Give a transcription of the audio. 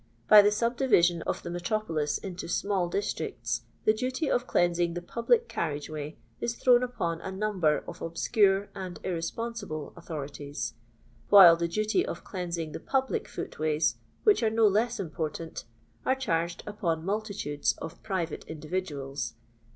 By tiie subdivisioff of the metropolis into small districts, the duty of cleansing the public carriage way is thrown upon a numb^ of obscure and irresponsftle authorities ; while the duty of cleansing the public footways, which are no less important, are charged upon multitudes of private individuals."